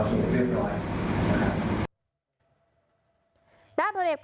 คนที่มีปัญหาเข้ามาดูแลเรื่องการความสูงเรื่องร้อย